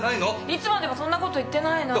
いつまでもそんなこと言ってないの。